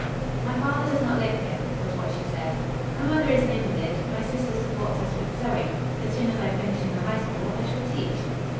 "My father does not live here," was what she said. "My mother is an invalid. My sister supports us with sewing. As soon as I finish in the High School, I shall teach."